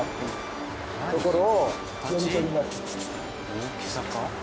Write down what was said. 大きさか？